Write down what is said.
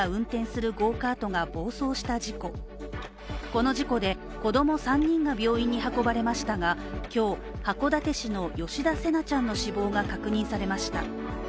この事故で子供３人が病院に運ばれましたが、今日、函館市の吉田成那ちゃんの死亡が確認されました。